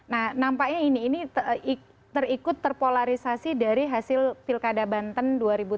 nah nampaknya ini terikut terpolarisasi dari hasil pilkada banten dua ribu tujuh belas